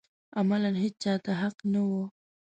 عملاً هېچا ته حق نه و